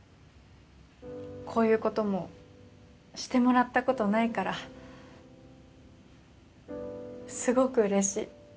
こういうこともしてもらったことないからすごくうれしい。